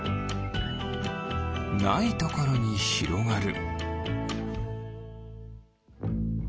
ないところにひろがる。